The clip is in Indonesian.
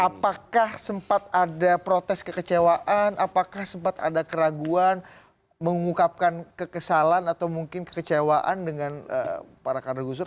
apakah sempat ada protes kekecewaan apakah sempat ada keraguan mengungkapkan kekesalan atau mungkin kekecewaan dengan para kader gus dur